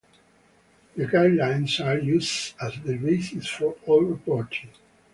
The Guidelines are used as the basis for all reporting.